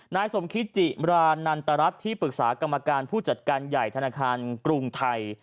นายสมคิตจิมรานันตรรัฐที่ปรึกษากรรมการผู้จัดการใหญ่ธนาคารกรุงไทย